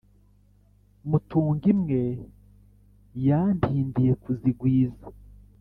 mutung-imwe yantindiye kuzigwiza,